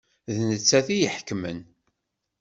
D nettat i iḥekmen.